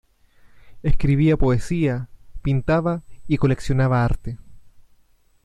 Escribía poesía, pintaba y coleccionaba arte.